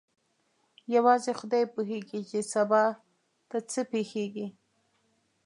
یوازې خدای پوهېږي چې سبا ته څه پېښیږي.